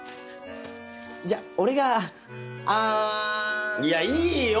じゃ俺があん。いやいいよ！